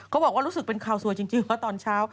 บอกว่ารู้สึกเป็นข่าวสวยจริงว่าตอนเช้า